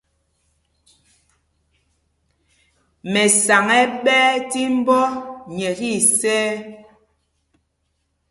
Mɛsaŋ ɛ́ ɛ́ ɓɛɛ tí mbɔ nyɛ tí isɛɛ.